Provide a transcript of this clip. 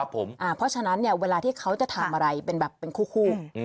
เพราะฉะนั้นเนี่ยเวลาที่เขาจะถามอะไรเป็นแบบคู่